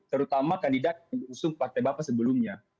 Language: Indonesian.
terutama kandidat yang diusung partai bapak sebelumnya